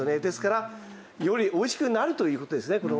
ですからよりおいしくなるという事ですね